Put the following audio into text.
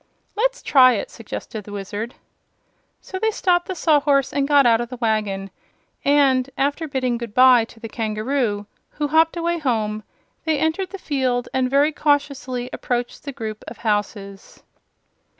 "Let's try it," suggested the Wizard. So they stopped the Sawhorse and got out of the wagon, and, after bidding good bye to the kangaroo, who hopped away home, they entered the field and very cautiously approached the group of houses.